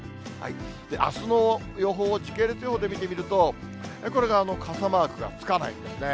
あすの予報を時系列予報で見てみると、これが傘マークがつかないんですね。